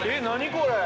これ。